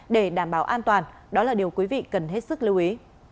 để đảm bảo an toàn đó là điều quý vị cần hết sức lưu ý